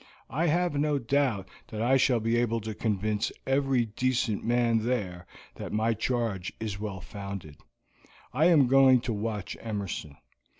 I have no doubt that I shall be able to convince every decent man there that my charge is well founded. I am going to watch Emerson.